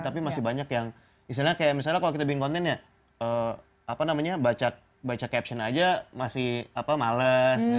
tapi masih banyak yang istilahnya kayak misalnya kalau kita bikin konten ya apa namanya baca caption aja masih males